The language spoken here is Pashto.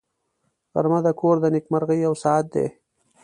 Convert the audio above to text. غرمه د کور د نېکمرغۍ یو ساعت دی